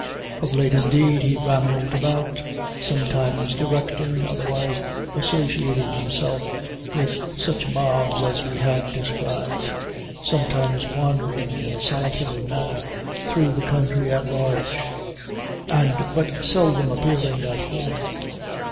Of late, indeed, he rambled about, sometimes directing, otherwise associating himself with, such mobs as we have described; sometimes wandering, in a solitary manner, through the country at large; and but seldom appearing at home.